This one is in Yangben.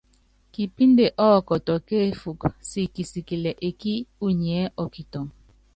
Kipínde ɔ́kɔtɔ kéefúk siki kisikilɛ ekí unyiɛ́ ɔ́kitɔŋ.